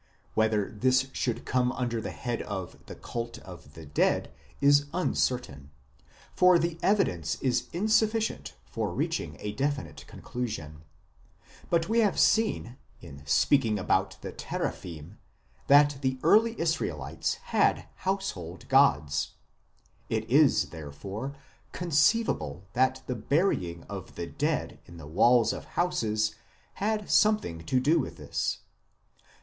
1 Whether this should come under the head of the Cult of the Dead is uncertain (we shall return to the custom when dealing with Mourning and Burial Customs), for the evidence is insufficient for reaching a definite conclusion. But we have seen, in speaking about the Teraphim, that the early Israelites had household gods ; it is, therefore, conceivable that the burying of the dead in the walls of houses had something to do with this.